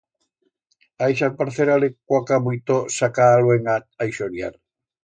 A ixa alparcera le cuaca muito sacar a luenga a ixoriar!